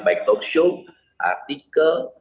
baik talkshow artikel